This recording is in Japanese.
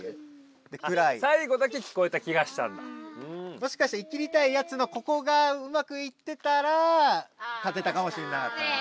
もしかして「いきりたいやつ」のここがうまくいってたら勝てたかもしれなかったね。